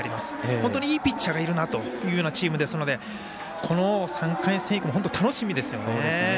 本当にいいピッチャーがいるなというチームですのでこの３回戦、本当に楽しみですよね。